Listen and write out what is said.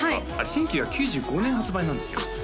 １９９５年発売なんですよあっ